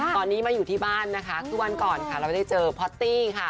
ตอนนี้มาอยู่ที่บ้านวันก่อนไม่ได้เจอพอตตี้